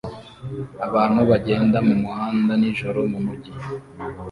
Abantu bagenda mumuhanda nijoro mumujyi